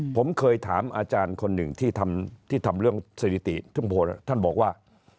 ผมเคยถามอาจารย์คนหนึ่งที่ทำเรื่องสถิติชุมพลท่านบอกว่า